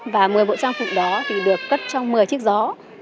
và một mươi bộ trang phục đó thì được cất trong một mươi chiếc gió